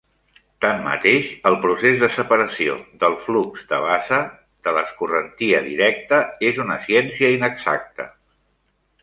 Tanmateix, el procés de separació del "flux de base" de "l'escorrentia directa" és una ciència inexacta.